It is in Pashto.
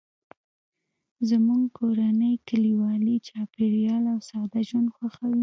زموږ کورنۍ کلیوالي چاپیریال او ساده ژوند خوښوي